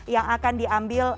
yang akan diambil